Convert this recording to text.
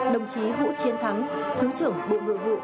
đồng chí vũ chiến thắng thứ trưởng bộ nội vụ